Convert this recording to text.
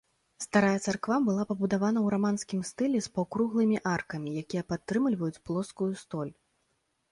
Старая царква была пабудавана ў раманскім стылі з паўкруглымі аркамі, якія падтрымліваюць плоскую столь.